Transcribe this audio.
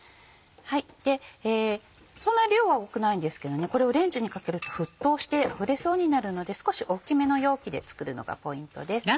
そんな量は多くないんですけどこれをレンジにかけると沸騰してあふれそうになるので少し大っきめの容器で作るのがポイントです。